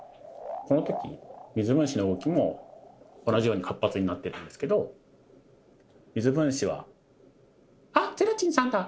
この時水分子の動きも同じように活発になってるんですけど水分子はあら！